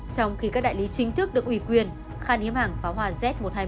trong khi các đại lý chính thức được ủy quyền khan hiếm hàng pháo hoa z một trăm hai mươi